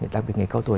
đặc biệt người cao tuổi